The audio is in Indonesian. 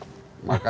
saka mau jadi dokter